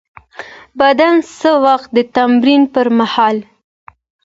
بدن څه وخت د تمرین پر مهال